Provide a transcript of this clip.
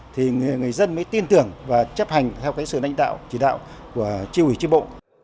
thì người dân mới tin tưởng và chấp hành theo sự nãnh đạo chỉ đạo của chiêu ủy chiêu bộ